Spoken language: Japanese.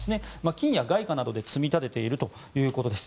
金や外貨などで積み立てているということです。